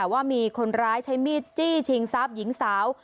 ว่ามีคนร้ายใช้มีดจี้ชิงทรัพย์หญิงสาว